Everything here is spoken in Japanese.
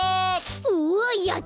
うわっやった！